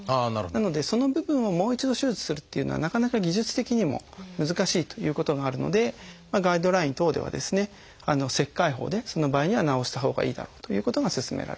なのでその部分をもう一度手術するっていうのはなかなか技術的にも難しいということがあるのでガイドライン等ではですね切開法でその場合には治したほうがいいだろうということが勧められています。